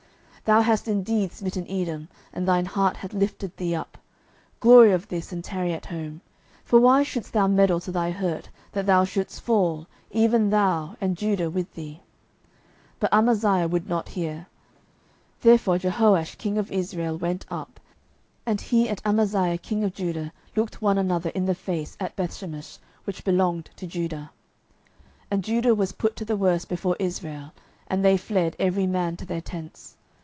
12:014:010 Thou hast indeed smitten Edom, and thine heart hath lifted thee up: glory of this, and tarry at home: for why shouldest thou meddle to thy hurt, that thou shouldest fall, even thou, and Judah with thee? 12:014:011 But Amaziah would not hear. Therefore Jehoash king of Israel went up; and he and Amaziah king of Judah looked one another in the face at Bethshemesh, which belongeth to Judah. 12:014:012 And Judah was put to the worse before Israel; and they fled every man to their tents.